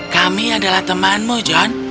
kami adalah temanmu john